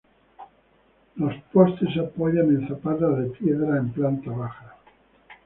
Los postes se apoyan en zapatas de piedra, en planta baja.